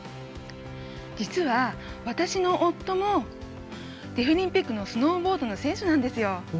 実は、私の夫もデフリンピックのスノーボードの選手なんですよ。